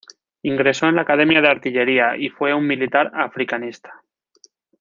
Ingresó en la Academia de Artillería y fue un militar "africanista".